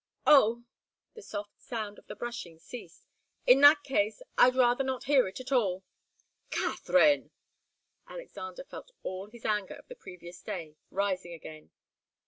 "Oh!" The soft sound of the brushing ceased. "In that case I'd rather not hear it at all." "Katharine!" Alexander felt all his anger of the previous day rising again.